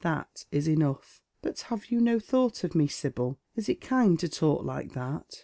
That is enough." " But have you no thought of me, Sibyl ? Is it kind to talk like that?"